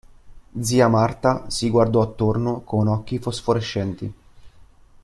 Zia Marta si guardò attorno con occhi fosforescenti.